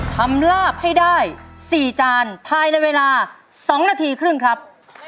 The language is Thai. ลาบให้ได้๔จานภายในเวลา๒นาทีครึ่งครับ